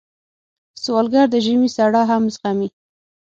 سوالګر د ژمي سړه هم زغمي